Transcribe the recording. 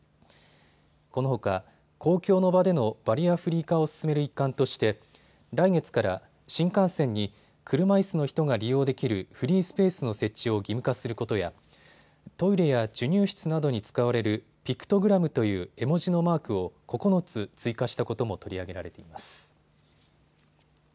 このほか公共の場でのバリアフリー化を進める一環として来月から新幹線に車いすの人が利用できるフリースペースの設置を義務化することやトイレや授乳室などに使われるピクトグラムという絵文字のマークを９つ追加したことも取り上げられています。